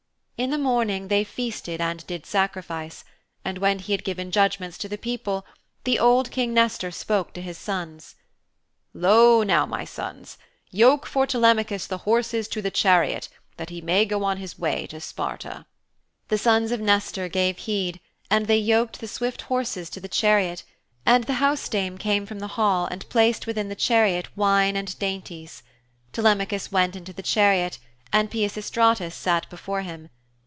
In the morning they feasted and did sacrifice, and when he had given judgments to the people, the old King Nestor spoke to his sons, 'Lo, now, my sons. Yoke for Telemachus the horses to the chariot that he may go on his way to Sparta.' The sons of Nestor gave heed and they yoked the swift horses to the chariot and the housedame came from the hall and placed within the chariot wine and dainties. Telemachus went into the chariot and Peisistratus sat before him.